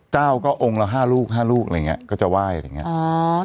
เจ้าก็องค์ละ๕ลูก๕ลูกอะไรอย่างนี้ก็จะไหว้อะไรอย่างนี้